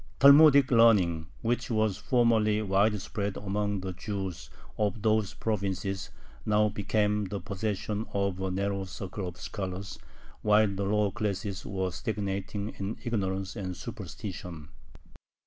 Talmudic learning, which was formerly widespread among the Jews of those provinces, now became the possession of a narrow circle of scholars, while the lower classes were stagnating in ignorance and superstition.